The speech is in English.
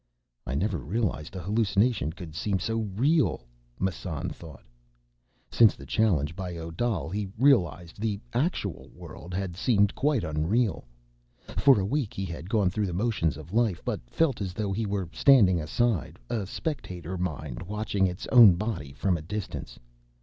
I never realized an hallucination could seem so real, Massan thought. Since the challenge by Odal, he realized, the actual world had seemed quite unreal. For a week, he had gone through the motions of life, but felt as though he were standing aside, a spectator mind watching its own body from a distance.